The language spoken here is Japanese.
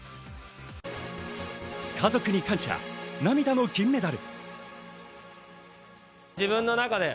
家族に感謝、涙の金メダル。